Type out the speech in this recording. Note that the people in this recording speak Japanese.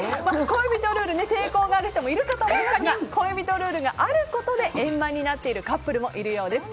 恋人ルール、抵抗がある人もいるかと思いますが恋人ルールがあることで円満になっているカップルもいるそうです。